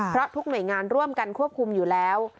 เพราะทุกหน่วยงานร่วมกันควบคุมอยู่แล้ว